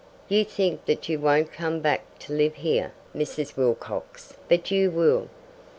"You think that you won't come back to live here, Mrs. Wilcox, but you will."